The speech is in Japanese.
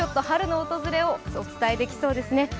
春の訪れをお伝えできそうですね。